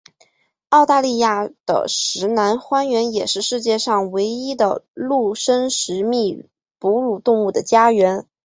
澳大利亚的石楠荒原也是世界上唯一的陆生食蜜哺乳动物的家园。